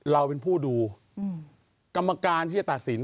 เราเป็นผู้ดูกรรมการที่จะตัดสิน